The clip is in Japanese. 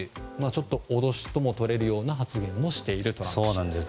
ちょっと脅しともとれるような発言もしているんです。